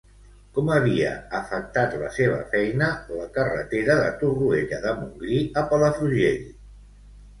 Com havia afectat la seva feina, la carretera de Torroella de Montgrí a Palafrugell?